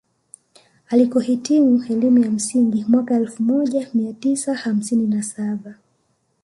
Alikohitimu elimu ya msingi mwaka elfu moja mia tisa hamsini na saba